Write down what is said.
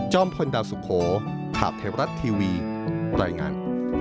จ้อมพลดาสุโขถาบเทวรัฐทีวีรายงาน